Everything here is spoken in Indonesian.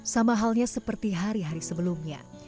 sama halnya seperti hari hari sebelumnya